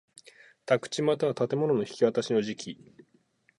宅地又は建物の引渡しの時期